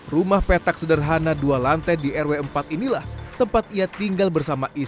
rumah petak sederhana dua lantai di rw empat inilah tempat ia tinggal bersama istri